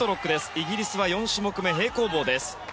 イギリスは４種目め平行棒です。